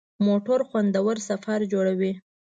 موټر خوندور سفر جوړوي.